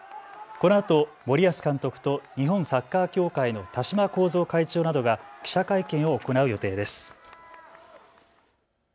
このあと森保監督と日本サッカー協会の田嶋幸三会長などが記者会見を行う予定です。